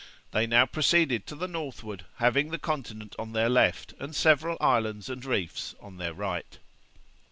They now proceeded to the northward, having the continent on their left, and several islands and reefs on their right.